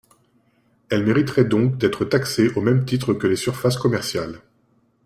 Elles mériteraient donc d’être taxées au même titre que les surfaces commerciales.